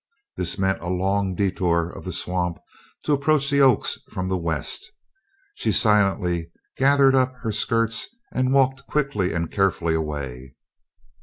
This meant a long detour of the swamp to approach the Oaks from the west. She silently gathered up her skirts and walked quickly and carefully away.